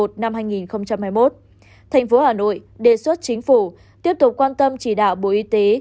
thành phố hà nội đề xuất chính phủ tiếp tục quan tâm chỉ đạo bộ y tế